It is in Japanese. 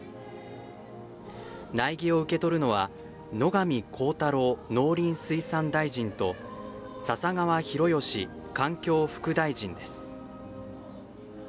苗木を受け取るのは野上浩太郎農林水産大臣と笹川博義環境副大臣です。